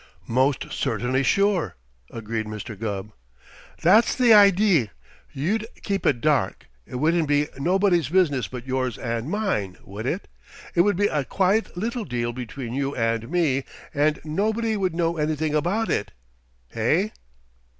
"Most certainly sure," agreed Mr. Gubb. "That's the idee! You'd keep it dark. It wouldn't be nobody's business but yours and mine, would it? It would be a quiet little deal between you and me, and nobody would know anything about it. Hey?"